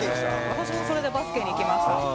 私もそれでバスケにいきました。